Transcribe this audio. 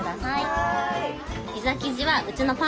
はい。